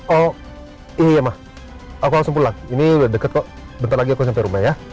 oh iya mah aku langsung pulang ini udah deket kok bentar lagi aku sampai rumah ya